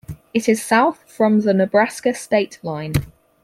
It is south from the Nebraska state line.